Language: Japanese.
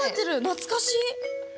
懐かしい！